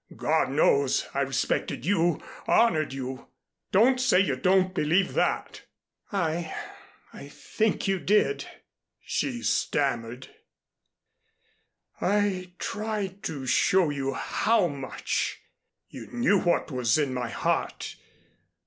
God knows, I respected you honored you! Don't say you don't believe that!" "I I think you did " she stammered. "I tried to show you how much. You knew what was in my heart.